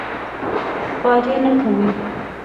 خواري نه کوي.